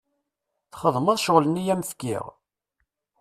Txedmeḍ ccɣel-nni i am-fkiɣ?